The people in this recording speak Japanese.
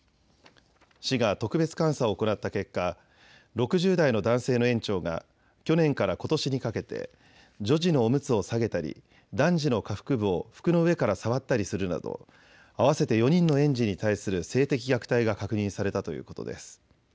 市が特別監査を行った結果、６０代の男性の園長が去年からことしにかけて女児のおむつを下げたり男児の下腹部を服の上から触ったりするなど合わせて４人の園児に対する性的虐待が確認されたということです。